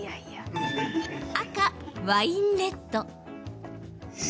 赤・ワインレッド。